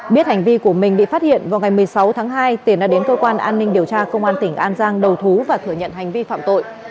biết hành vi của mình bị phát hiện vào ngày một mươi sáu tháng hai tiền đã đến cơ quan an ninh điều tra công an tỉnh an giang đầu thú và thừa nhận hành vi phạm tội